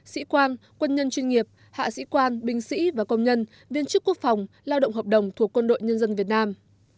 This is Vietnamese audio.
sĩ quan quân nhân chuyên nghiệp hạ sĩ quan binh sĩ và công nhân viên chức quốc phòng lao động hợp đồng thuộc quân đội nhân dân việt nam